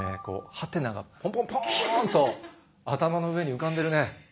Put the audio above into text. はてながポンポンポンと頭の上に浮かんでるね。